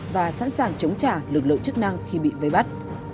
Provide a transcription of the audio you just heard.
và sẵn sàng chống trả lực lượng chức năng khi bị vây bắt